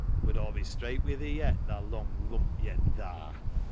Bud Aw'll be straight wi' thee yet, tha long lump yed, thaa."